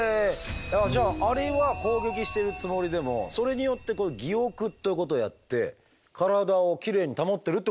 じゃあ蟻は攻撃してるつもりでもそれによって蟻浴ってことをやって体をキレイに保ってるってことなんですね。